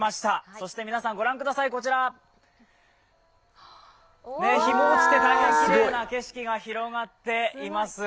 そしてご覧ください、こちら、日も落ちて、大変きれいな景色が広がっています。